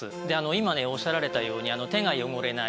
今ねおっしゃられたように手が汚れない